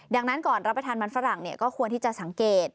ดังนั้นก่อนรับประทานมันฝรั่งก็ควรที่จะสังเกต